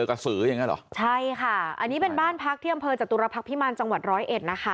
กระสืออย่างเงี้เหรอใช่ค่ะอันนี้เป็นบ้านพักที่อำเภอจตุรพักษ์พิมารจังหวัดร้อยเอ็ดนะคะ